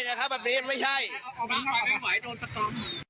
ออกไปไม่ไหวโดนสกรม